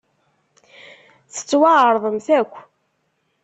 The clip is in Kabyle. Tettwaɛeṛḍemt akk.